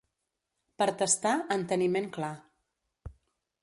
Per testar, enteniment clar.